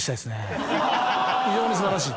非常に素晴らしい。